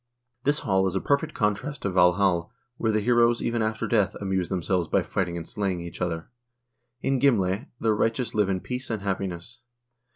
This hall is a perfect contrast to Valhal, where the heroes even after death amuse themselves by fighting and slaying each other; in Gimle the righteous live in peace and happiness.